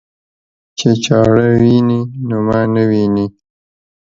چې چاړه ويني نو ما نه ويني.